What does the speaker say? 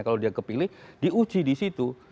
kalau dia kepilih diuji di situ